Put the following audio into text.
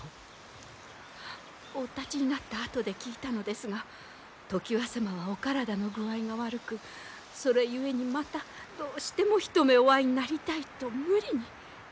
おたちになったあとで聞いたのですが常磐様はお体の具合が悪くそれゆえにまたどうしても一目お会いになりたいと無理に。